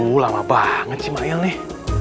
aduh lama banget sih mail nih